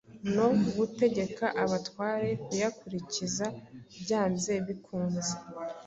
no gutegeka abatware kuyakurikiza byanze bikunze.